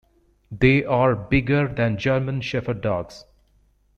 They are bigger than German Shepherd Dogs.